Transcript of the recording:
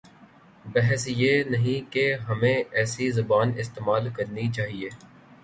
بحث یہ نہیں کہ ہمیں ایسی زبان استعمال کرنی چاہیے۔